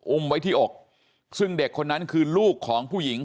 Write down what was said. อุ้มไว้ที่อกซึ่งเด็กคนนั้นคือลูกของผู้หญิง